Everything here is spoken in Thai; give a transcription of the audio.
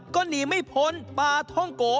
ก็หนีไม่พ้นปลาท่องโก